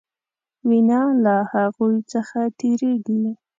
وینه له هغوي څخه تیریږي.